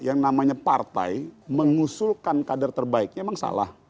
yang namanya partai mengusulkan kader terbaiknya memang salah